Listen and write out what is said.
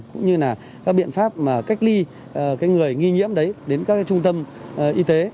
cũng như là các biện pháp mà cách ly người nghi nhiễm đấy đến các trung tâm y tế